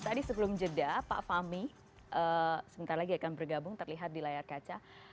tadi sebelum jeda pak fahmi sebentar lagi akan bergabung terlihat di layar kaca